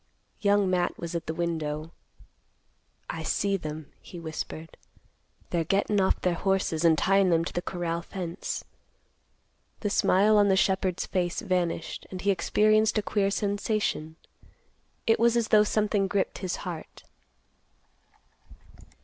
Young Matt was at the window. "I see them," he whispered. "They're gettin' off their horses, and tyin' them to the corral fence." The smile on the shepherd's face vanished, and he experienced a queer sensation; it was as though something gripped his heart.